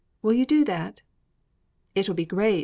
Will you do that?" "It will be great!"